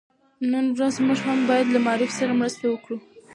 نن ورځ موږ هم بايد له معارف سره مرسته وکړو.